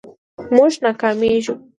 مونږ ناکامیږو